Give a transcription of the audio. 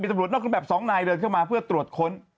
ตำรวจนอกเครื่องแบบ๒นายเดินเข้ามาเพื่อตรวจค้น